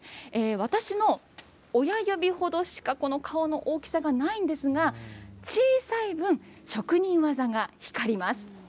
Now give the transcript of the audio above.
私の親指ほどしかこの顔の大きさがないんですが、小さい分、職人技が光ります。